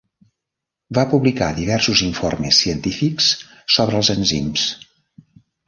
Va publicar diversos informes científics sobre els enzims.